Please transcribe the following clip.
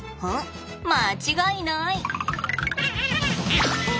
間違いない！